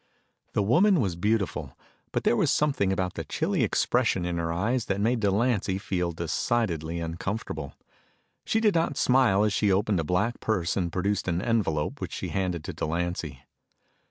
The woman was beautiful. But there was something about the chilly expression in her eyes that made Delancy feel decidedly uncomfortable. She did not smile as she opened a black purse and produced an envelope which she handed to Delancy.